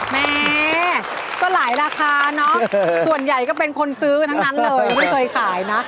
แม่ก็หลายราคาเนอะส่วนใหญ่ก็เป็นคนซื้อทั้งนั้นเลยไม่เคยขายนะ